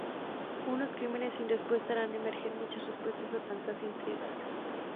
Unos crímenes sin respuesta harán emerger muchas respuestas a tantas intrigas.